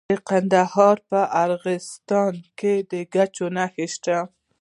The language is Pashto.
د کندهار په ارغستان کې د ګچ نښې شته.